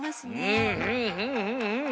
うんうんうんうんうん。